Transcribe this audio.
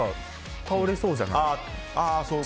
倒れそうじゃない？